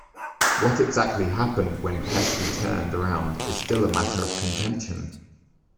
What exactly happened when Pesky turned around is still a matter of contention.